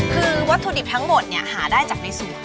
คือวัตถุดิบทั้งหมดหาได้จากในสวน